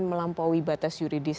melampaui batas yuridis